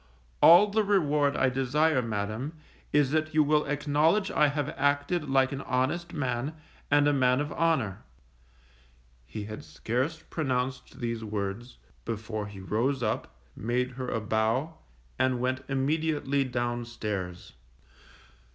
All the reward I desire, Madam, is that you will acknowledge I have acted like an honest man, and a man of honour._ He had scarce pronounced these words, before he rose up, made her a bow, and went immediately down stairs.